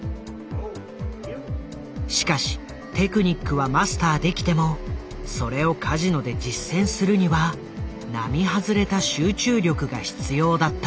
しかしテクニックはマスターできてもそれをカジノで実践するには並外れた集中力が必要だった。